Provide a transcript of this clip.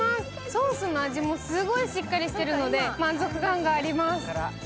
ソースの味もすごいしっかりしているので満足感があります。